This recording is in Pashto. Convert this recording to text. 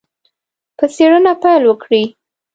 په څېړنه پیل وکړي.